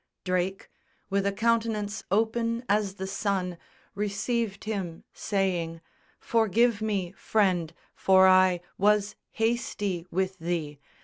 Drake, with a countenance open as the sun, Received him, saying: "Forgive me, friend, for I Was hasty with thee.